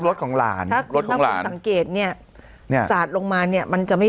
รถของหลานรถของหลานสังเกตเนี่ยเนี่ยสาดลงมาเนี้ยมันจะไม่